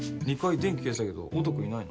電気消えてたけど音くんいないの？